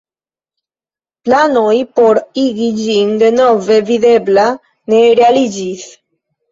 Planoj por igi ĝin denove videbla ne realiĝis.